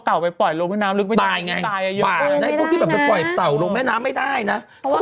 เขาต้องมีที่เกาะ